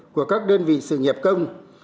của các đơn vị sự nghiệp công